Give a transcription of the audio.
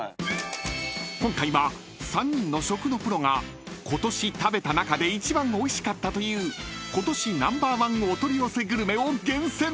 ［今回は３人の食のプロがことし食べた中で一番おいしかったという今年Ｎｏ．１お取り寄せグルメを厳選！］